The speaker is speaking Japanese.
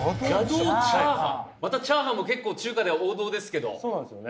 またチャーハンも結構中華では王道ですけどそうなんですよね